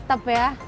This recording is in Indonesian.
ui tetep ya